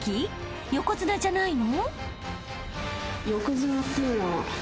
横綱じゃないの？］